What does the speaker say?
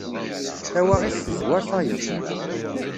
Tawaɣit tezwar tayeḍ.